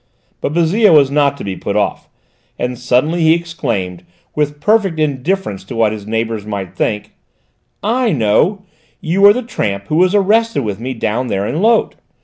But Bouzille was not to be put off, and suddenly he exclaimed, with perfect indifference to what his neighbours might think: "I know: you are the tramp who was arrested with me down there in Lot!